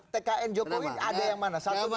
tkn jokowi ada yang mana